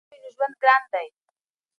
که پوهه نه وي نو ژوند ګران دی.